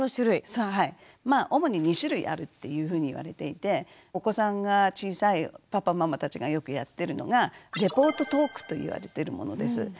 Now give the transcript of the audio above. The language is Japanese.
まあ主に２種類あるっていうふうに言われていてお子さんが小さいパパママたちがよくやってるのがレポートトークと言われてるものです。